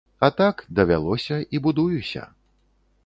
А так, давялося, і будуюся.